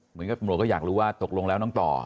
เหมือนกับตำรวจก็อยากรู้ว่าตกลงแล้วน้องต่อ